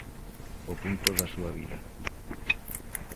O punto da súa vida.